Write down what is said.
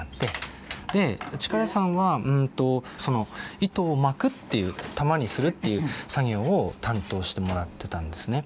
で力さんはその糸を巻くっていう玉にするっていう作業を担当してもらってたんですね。